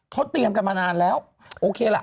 เขาเตรียมกันมานานแล้วโอเคล่ะ